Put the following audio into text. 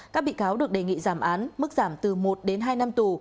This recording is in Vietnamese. các bị cáo được đề nghị giảm án mức giảm từ một đến hai năm tù